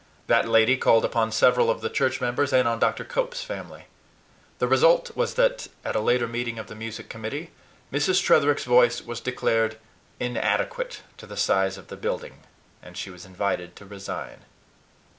That lady called upon several of the church members and on Dr. Cope's family. The result was that, at a later meeting of the music committee, Mrs. Tretherick's voice was declared inadequate to the size of the building and she was invited to resign.